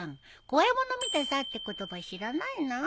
怖いもの見たさって言葉知らないの？